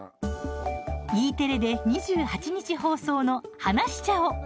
Ｅテレで２８日放送の「はなしちゃお！